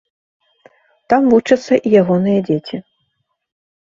Там вучацца і ягоныя дзеці.